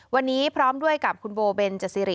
วันนี้พร้อมด้วยกับคุณโบเบนจสิริ